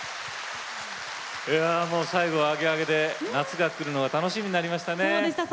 最後はアゲアゲで夏が来るのが楽しみになりました。